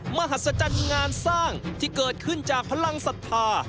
มหัศจรรย์งานสร้างที่เกิดขึ้นจากพลังศรัทธา